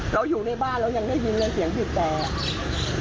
เราอยู่ในบ้านเรายังได้ยินเลยเสียงบีบแต่